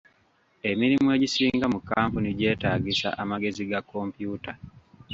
Emirimu egisinga mu kkampuni gyeetaagisa amagezi ga kompyuta.